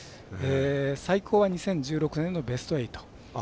最高は２０１６年のベスト８。